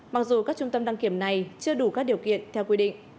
mặc dù các trung tâm đăng kiểm này chưa đủ các điều kiện theo quy định